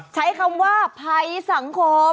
ใช้คำว่าภัยสังคม